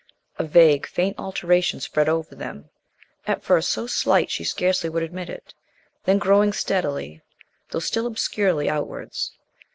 A vague, faint alteration spread over them, at first so slight she scarcely would admit it, then growing steadily, though still obscurely, outwards.